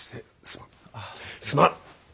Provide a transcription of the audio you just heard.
すまん。